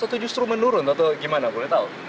atau justru menurun atau gimana boleh tahu